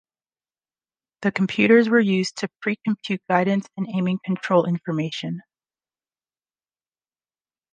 The computers were used to pre-compute guidance and aiming control information.